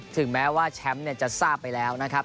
ถึงแม้ว่าแชมป์จะทราบไปแล้วนะครับ